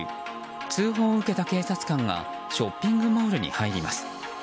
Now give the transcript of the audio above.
通報を受けた警察官がショッピングモールに入ります。